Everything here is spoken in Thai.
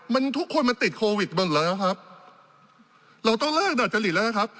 มันทุกคนมันติดโควิดหมดแล้วครับเราต้องเลิกดัดจริตแล้วนะครับ